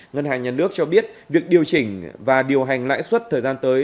ngân hàng nhà nước cho biết việc điều chỉnh và điều hành lãi suất thời gian tới